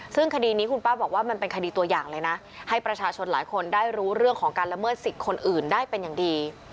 ซึ่งคดีนี้คุณป้าบอกว่ามันเป็นคดีตัวอย่างเลยนะให้ประชาชนหลายคนได้รู้เรื่องของการละเมิดสิทธิ์คนอื่นได้เป็นอย่างดี